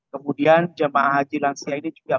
kemudian jemaah haji lansia ini juga